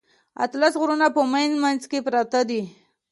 اتلس غرونه په منځ منځ کې پراته دي.